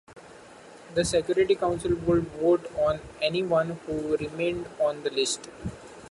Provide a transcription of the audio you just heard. The Security Council would vote on anyone who remained on the list.